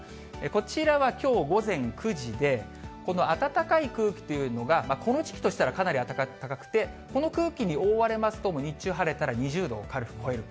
こちらはきょう午前９時で、この暖かい空気というのが、この時期としたらかなり暖かくて、この空気に覆われますと、日中晴れたら２０度を軽く超える。